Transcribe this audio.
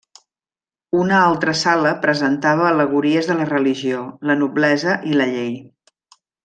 Una altra sala presentava al·legories de la religió, la noblesa i la llei.